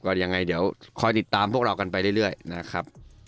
ก็ยังไงเดี๋ยวคอยติดตามพวกเรากันไปเรื่อยนะครับ